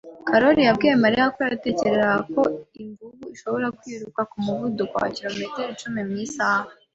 Karoli yabwiye Mariya ko yatekerezaga ko imvubu ishobora kwiruka ku muvuduko wa kilometero icumi mu isaha.